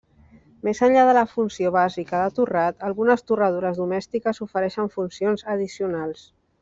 Més enllà de la funció bàsica de torrat, algunes torradores domèstiques ofereixen funcions addicionals.